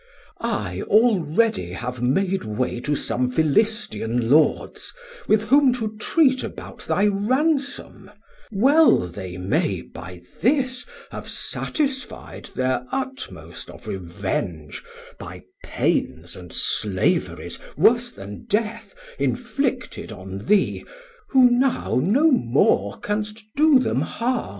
I already have made way To some Philistian Lords, with whom to treat About thy ransom: well they may by this Have satisfi'd thir utmost of revenge By pains and slaveries, worse then death inflicted On thee, who now no more canst do them harm.